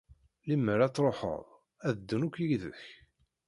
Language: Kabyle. Lemmer ad truḥeḍ, ad ddun akk yid-k.